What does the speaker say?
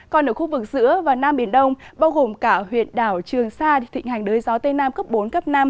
còn ở khu vực giữa và nam biển đông bao gồm cả huyện đảo trường sa thịnh hành đới gió tây nam cấp bốn cấp năm